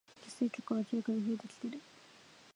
女性客は明らかに増えてきてる